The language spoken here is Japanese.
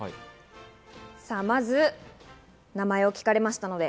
まず名前を聞かれましたので。